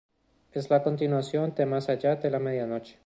Es la continuación de "Más allá de la medianoche".